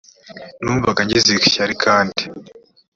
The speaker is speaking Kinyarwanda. numvaga ngize ishyari kandi